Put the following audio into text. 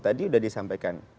tadi sudah disampaikan